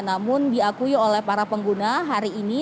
namun diakui oleh para pengguna hari ini